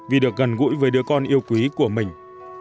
vì được gần gũi với đứa con yêu quý của mình